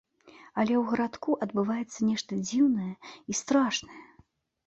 Але ў гарадку адбываецца нешта дзіўнае й страшнае.